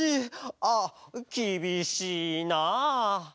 あっきびしいな。